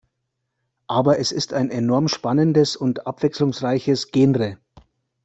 Aber es ist ein enorm spannendes und abwechslungsreiches Genre.